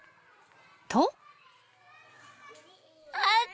［と］